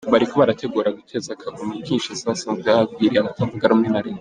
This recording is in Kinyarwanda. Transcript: Ngo bariko barategura guteza akaguma i Kinshasa, ahasanzwe hagwiriye abatavuga rumwe na leta.